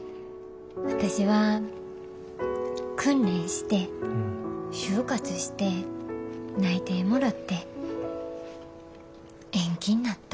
私は訓練して就活して内定もらって延期になった。